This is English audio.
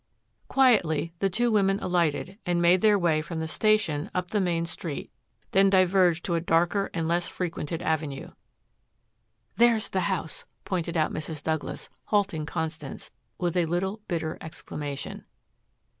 Quietly the two women alighted and quickly made their way from the station up the main street, then diverged to a darker and less frequented avenue. "There's the house," pointed out Mrs. Douglas, halting Constance, with a little bitter exclamation.